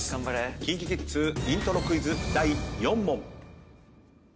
ＫｉｎＫｉＫｉｄｓイントロクイズ第４問。